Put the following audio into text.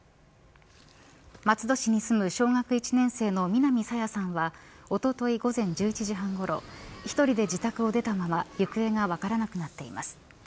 松戸市に住む小学１年生の南朝芽さんはおととい午前１１時半ごろ１人で自宅を出たまま行方がわからなくなっています。